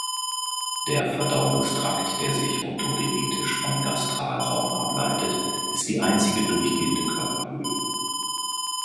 Der Verdauungstrakt, der sich ontogenetisch vom Gastralraum ableitet, ist die einzige durchgehende Körperhöhle.